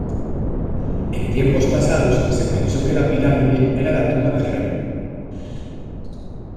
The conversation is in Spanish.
En tiempos pasados se pensó que la pirámide era la tumba de Remo.